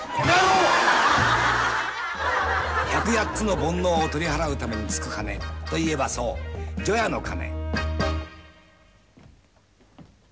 百八つの煩悩を取り払うために突く鐘といえばそう除夜の鐘。